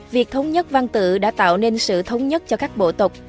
việc thống nhất văn tự đã tạo nên sự thống nhất cho các bộ tộc